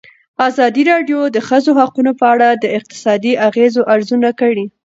ازادي راډیو د د ښځو حقونه په اړه د اقتصادي اغېزو ارزونه کړې.